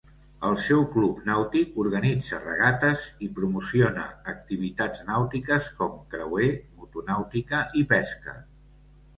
El seu club nàutic organitza regates i promociona activitats nàutiques com creuer, motonàutica i pesca.